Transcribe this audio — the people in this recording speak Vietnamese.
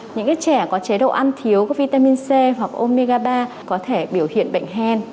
những trẻ có chế độ ăn thiếu có vitamin c hoặc omega ba có thể biểu hiện bệnh hen